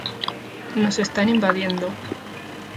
Nos están invadiendo".